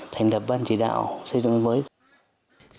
thành đập ban chỉ đạo xây dựng nông thôn mới